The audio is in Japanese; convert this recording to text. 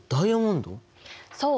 そう。